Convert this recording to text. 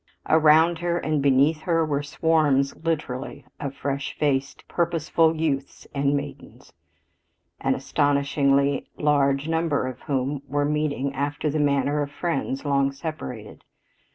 Around her and beneath her were swarms, literally, of fresh faced, purposeful youths and maidens, an astonishingly large number of whom were meeting after the manner of friends long separated.